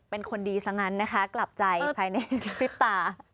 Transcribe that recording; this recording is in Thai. เป็นคนดีซะงั้นนะคะกลับใจภายในกระพริบตา